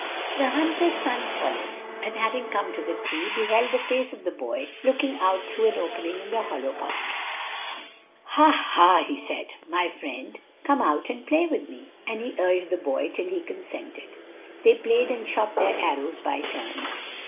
The hunter's son followed, and having come to the tree, beheld the face of the boy looking out through an opening in the hollow part. "Ha! ha!" he said, "my friend, come out and play with me." And he urged the boy till he consented. They played and shot their arrows by turns.